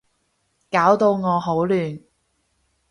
搞到我好亂